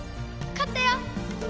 かったよ！